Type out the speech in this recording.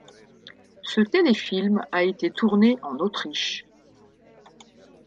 Ce téléfilm a été tourné en Autriche.